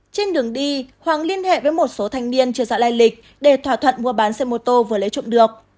trên đường đi hoàng liên hệ với một số thanh niên chưa rõ lai lịch để thỏa thuận mua bán xe mô tô vừa lấy trộm được